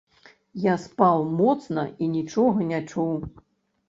Я спаў моцна і нічога не чуў.